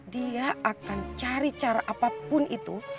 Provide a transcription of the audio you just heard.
dia akan cari cara apapun itu